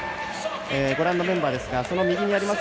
ご覧のメンバーですが右にあります